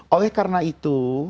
oleh karena itu